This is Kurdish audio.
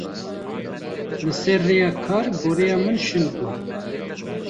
Li ser rêya kar goreya min şil bû.